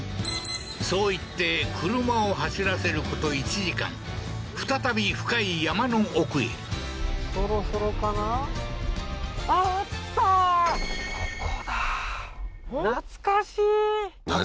そう言って車を走らせること１時間再び深い山の奥へ懐かしい？